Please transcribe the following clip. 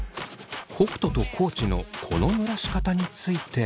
北斗と地のこのぬらし方について。